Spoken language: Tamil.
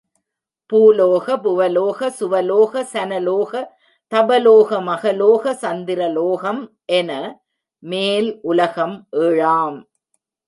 பூலோக, புவலோக, சுவலோக, சனலோக, தபலோக, மகலோக, சந்திரலோகம் என மேல் உலகம் ஏழாம்!